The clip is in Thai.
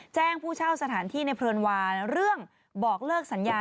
ผู้เช่าสถานที่ในเพลินวาเรื่องบอกเลิกสัญญา